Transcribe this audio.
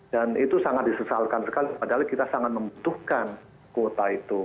dan itu sangat disesalkan sekali padahal kita sangat membutuhkan kuota itu